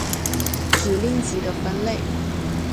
指令集的分类